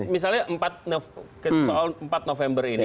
misalnya soal empat november ini